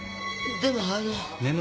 でもあの。